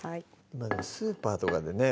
今ねスーパーとかでね